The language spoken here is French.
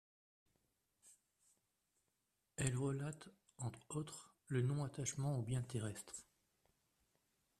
Elle relate entre autres le non-attachement aux biens terrestres.